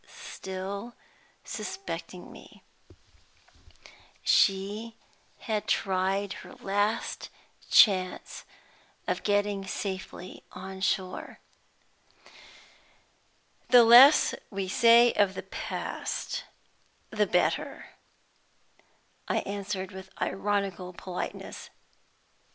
Still suspecting me, she had tried her last chance of getting safely on shore. "The less we say of the past, the better," I answered, with ironical politeness.